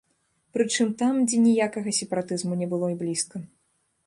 Прычым там, дзе ніякага сепаратызму не было і блізка.